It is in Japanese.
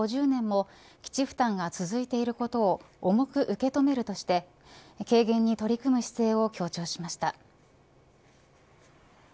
５０年も基地負担が続いていることを重く受け止めるとして軽減に取り組む姿勢を強調しました。